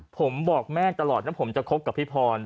ผมบอกแม่ตลอดนะผมจะคบกับพี่พร